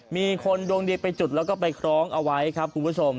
มีคนดวงดีไปจุดแล้วก็ไปคล้องเอาไว้ครับคุณผู้ชม